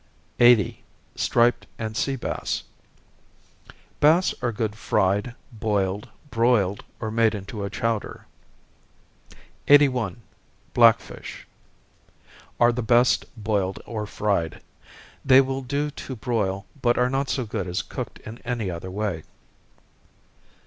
80. Striped and Sea Bass. Bass are good fried, boiled, broiled, or made into a chowder. 81. Black Fish. Are the best boiled or fried they will do to broil, but are not so good as cooked in any other way.